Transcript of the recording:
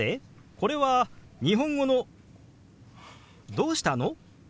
これは日本語の「どうしたの？」